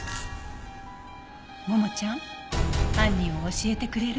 ももちゃん犯人を教えてくれる？